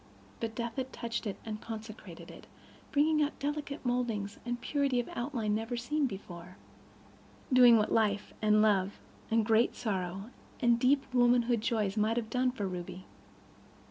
But death had touched it and consecrated it, bringing out delicate modelings and purity of outline never seen before—doing what life and love and great sorrow and deep womanhood joys might have done for Ruby.